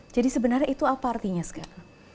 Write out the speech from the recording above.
jadi sebenarnya itu apa artinya sekarang